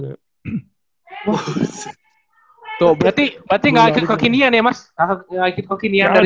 berarti gak akhir kekinian ya mas